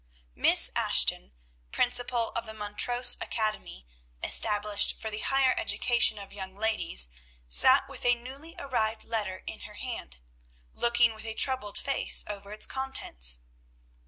Miss Ashton, principal of the Montrose Academy, established for the higher education of young ladies, sat with a newly arrived letter in her hand, looking with a troubled face over its contents.